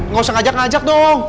nggak usah ngajak ngajak dong